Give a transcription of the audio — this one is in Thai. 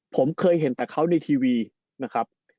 ผมเคยเห็นแต่เขาในทีวีนะครับ